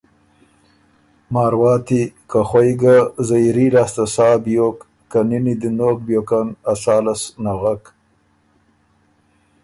مارواتی که خوئ ګه زئیري لاسته سا بیوک که نِنی دی نوک بیوکن ا ساه له سو نغک